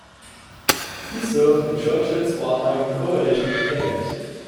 He served in Churchill's wartime coalition cabinet.